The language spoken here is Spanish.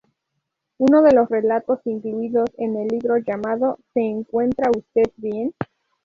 Uno de los relatos incluidos en el libro llamado "¿Se encuentra usted bien?